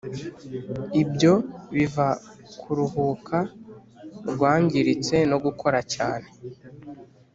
ibyo biva kuruhuka rwangiritse no gukora cyane